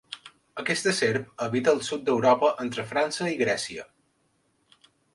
Aquesta serp habita al sud d'Europa entre França i Grècia.